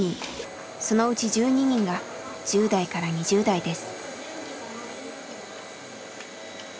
そのうち１２人が１０代から２０代です。